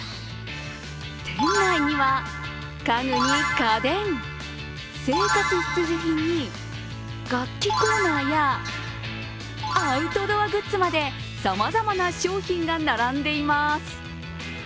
店内には、家具に家電、生活必需品に楽器コーナーやアウトドアグッズまでさまざまな商品が並んでいます。